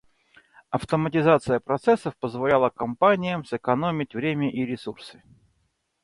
Автоматизация процессов позволяла компаниям сэкономить время и ресурсы.